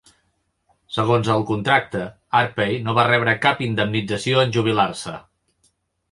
Segons el contracte, Arpey no va rebre cap indemnització en jubilar-se.